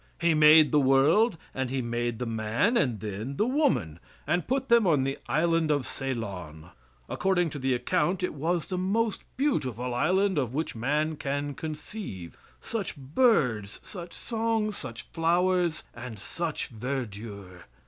He made the world and he made the man and then the woman, and put them on the Island of Ceylon. According to the account it was the most beautiful island of which man can conceive. Such birds, such songs, such flowers, and such verdure!